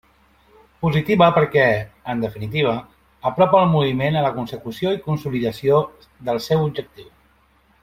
Positiva perquè, en definitiva, apropa el moviment a la consecució i consolidació del seu objectiu.